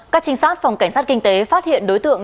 các trinh sát phòng cảnh sát kinh tế phát hiện đối tượng